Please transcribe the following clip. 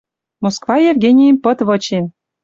Москва Евгенийӹм пыт вычен